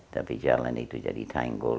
tapi jalan itu jadi tanggul